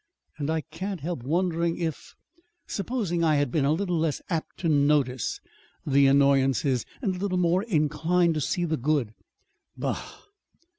And I can't help wondering if, supposing I had been a little less apt to notice the annoyances, and a little more inclined to see the good Bah!